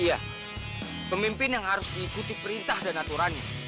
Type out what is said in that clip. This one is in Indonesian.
iya pemimpin yang harus diikuti perintah dan aturannya